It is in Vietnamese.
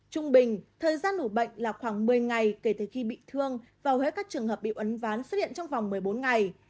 trung bình thời gian ủ bệnh là khoảng một mươi ngày kể từ khi bị thương vào hết các trường hợp bị ấn ván xuất hiện trong vòng một mươi bốn ngày